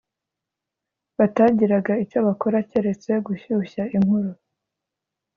batagiraga icyo bakora keretse gushyushya inkuru